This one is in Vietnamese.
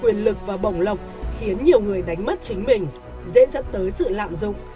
quyền lực và bổng lộc khiến nhiều người đánh mất chính mình dễ dẫn tới sự lạm dụng